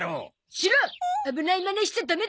シロ危ないまねしちゃダメだぞ！